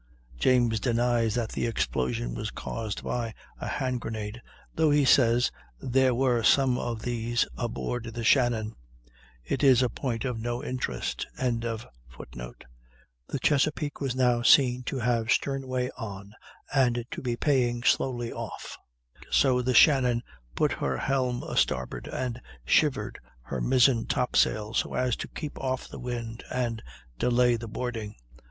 James denies that the explosion was caused by a hand grenade, though he says there were some of these aboard the Shannon. It is a point of no interest.] The Chesapeake was now seen to have stern way on and to be paying slowly off; so the Shannon put her helm a starboard and shivered her mizzen top sail, so as to keep off the wind and delay the boarding.